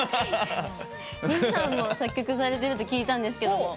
西さんも作曲されてると聞いたんですけども。